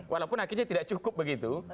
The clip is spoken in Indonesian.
walaupun akhirnya tidak cukup begitu